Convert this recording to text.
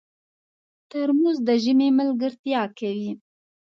ترموز د ژمي ملګرتیا کوي.